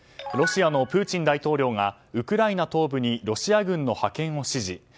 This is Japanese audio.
ロシアのプーチン大統領がウクライナ東部にロシア軍の派遣を指示。